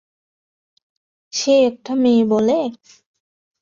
সে একটা মেয়ে বলে?